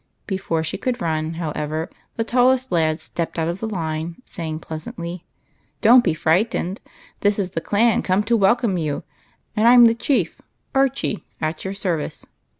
Before she could run, how ever, the tallest lad stepped out of the line, saying pleasantly, — "Don't be frightened. This is the clan come to welcome you; and I'm the chief, Archie, at your service."